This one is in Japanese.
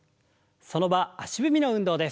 その場足踏みの運動です。